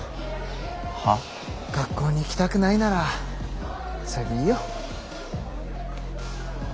学校に行きたくないならそれでいいよ。